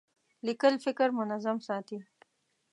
لیکل فکر منظم ساتي.